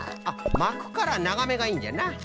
あっまくからながめがいいんじゃな。